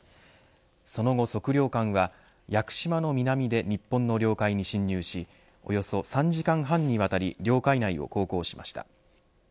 その後、測量艦は屋久島の南で日本の領海に侵入しおよそ３時間半にわたり領海内を航行しました。